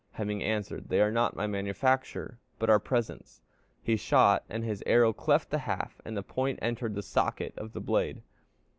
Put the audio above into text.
Hemingr answered, 'They are not my manufacture, but are presents.' He shot, and his arrow cleft the haft, and the point entered the socket of the blade.